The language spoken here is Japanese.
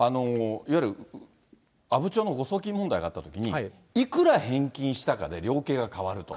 いわゆる阿武町の誤送金問題があったときに、いくら返金したかで量刑が変わると。